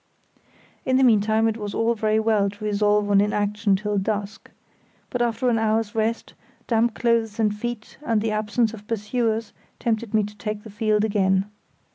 In the meantime it was all very well to resolve on inaction till dusk; but after an hour's rest, damp clothes and feet, and the absence of pursuers, tempted me to take the field again.